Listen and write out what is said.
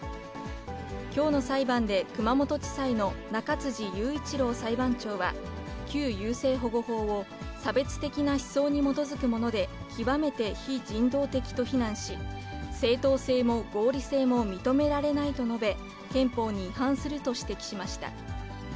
きょうの裁判で、熊本地裁の中辻雄一朗裁判長は、旧優生保護法を、差別的な思想に基づくもので、極めて非人道的と非難し、正当性も合理性も認められないと述べ、憲法に違反すると指摘しました。